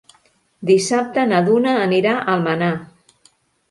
Dissabte na Duna anirà a Almenar.